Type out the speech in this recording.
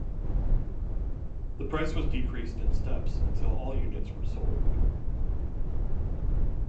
The price was decreased in steps until all units were sold.